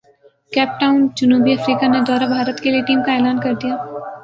cap Town جنوبی افریقہ نے دورہ بھارت کیلئے ٹیم کا اعلان کردیا